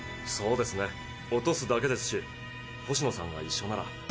そうですね落とすだけですし星野さんが一緒なら。